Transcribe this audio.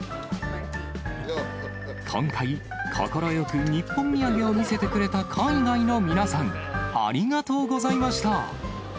今回、快く日本土産を見せてくれた海外の皆さん、ありがとうございました。